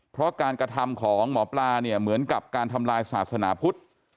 เพราะการกระทำของหมอปลาเนี่ยเหมือนกับการทำลายศาสนาพุทธ